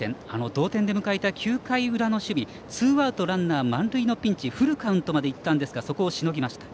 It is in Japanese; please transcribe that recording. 同点で迎えた９回の裏の守備ツーアウトランナー、満塁のピンチフルカウントまで行きましたがそこをしのぎました。